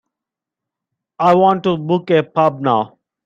I want to book a pub now.